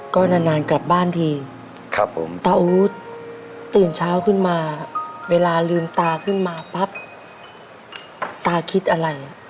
ก็นานนานกลับบ้านทีครับผมตาอู๊ดตื่นเช้าขึ้นมาเวลาลืมตาขึ้นมาปั๊บตาคิดอะไร